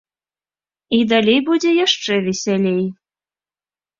І далей будзе яшчэ весялей.